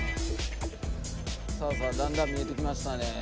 さあさあだんだん見えてきましたね。